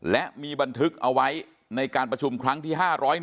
และมีบันทึกเอาไว้ในการประชุมครั้งที่๕๐๑